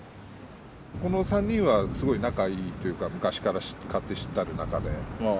この３人はすごく仲いいっていうか昔から勝手知ったる仲で。